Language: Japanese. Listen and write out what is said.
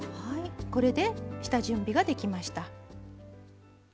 これで下準備ができました。